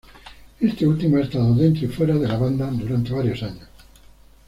Este último ha estado dentro y fuera de la banda durante varios años.